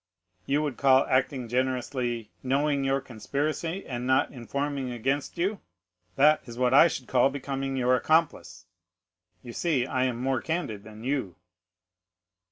"'"You would call acting generously, knowing your conspiracy and not informing against you, that is what I should call becoming your accomplice. You see I am more candid than you."